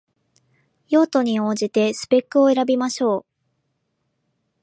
用途に応じてスペックを選びましょう